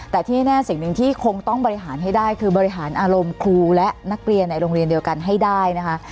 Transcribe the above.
แต่ที่แน่สิ่งหนึ่งที่คงต้องบริหารให้ได้คือบริหารอารมณ์ครูและนักเรียนในโรงเรียนเดียวกันให้ได้นะคะ